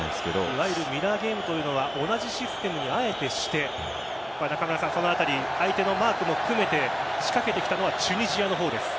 いわゆるミラーゲームというのは同じシステムにあえてしてその辺り、相手のマークも含めて仕掛けてきたのはチュニジアの方です。